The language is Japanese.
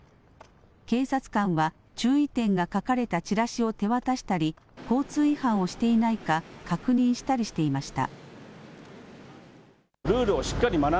警察官は注意点が書かれたチラシを手渡したり交通違反をしていないか確認したりしていました。